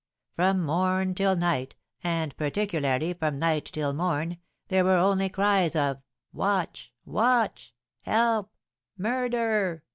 From morn till night, and, particularly, from night till morn, there were only heard cries of 'Watch! Watch! Help! Murder!'